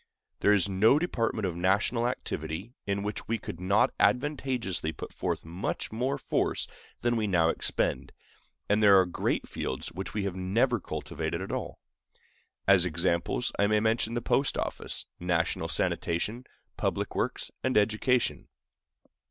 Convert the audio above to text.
There is no department of national activity in which we could not advantageously put forth much more force than we now expend; and there are great fields which we have never cultivated at all. As examples, I may mention the post office, national sanitation, public works, and education.